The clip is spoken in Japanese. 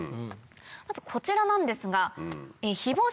まずこちらなんですが。